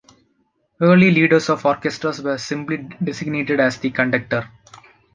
Early leaders of orchestras were simply designated as the conductor.